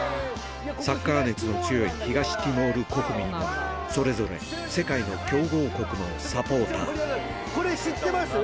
サッカー熱の強い東ティモール国民は、それぞれ世界の強豪国のサこれ知ってます？